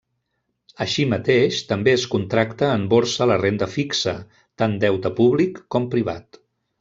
Així mateix, també es contracta en borsa la renda fixa, tant deute públic com privat.